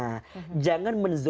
harus dengan cara begitu